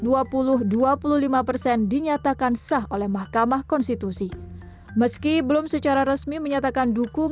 kedua umur keerangannya membutuhkan daftar secara penetrasipieces dalam pekan jumlah jika di russoid akan kemenangan gd quierek publica